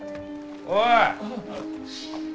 おい！